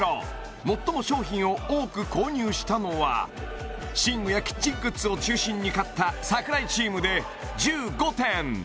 最も商品を多く購入したのは寝具やキッチングッズを中心に買った櫻井チームで１５点